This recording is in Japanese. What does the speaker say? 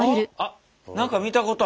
何か見たことあるね。